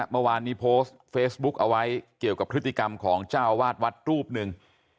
เมื่อวานนี้โพสต์เฟซบุ๊กเอาไว้เกี่ยวกับพฤติกรรมของเจ้าวาดวัดรูปหนึ่ง